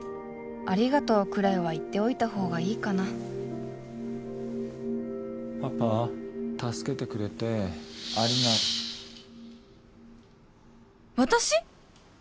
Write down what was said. ありがとうくらいは言っておいた方がいいかなパパ助けてくれてありが私！？